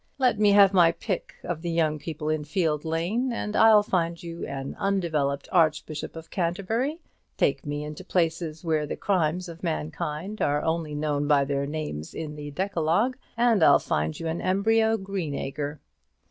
Let me have my pick of the young people in Field Lane, and I'll find you an undeveloped Archbishop of Canterbury; take me into places where the crimes of mankind are only known by their names in the Decalogue, and I'll find you an embryo Greenacre.